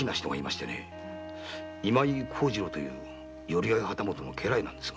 今井幸次郎という「寄合旗本」の家来なんです。